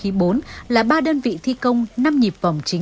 hy vọng khi giao thông được kết nối